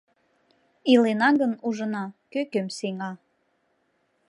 Илена гын, ужына, кӧ кӧм сеҥа.